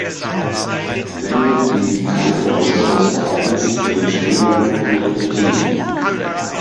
Wende die Krankenhäuser des Ordens in Stendal und Genthin.